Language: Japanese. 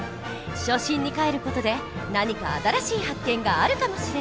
初心にかえる事で何か新しい発見があるかもしれない！